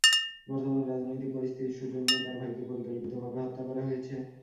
বর্তমান রাজনৈতিক পরিস্থিতির সুযোগ নিয়ে তাঁর ভাইকে পরিকল্পিতভাবে হত্যা করা হয়েছে।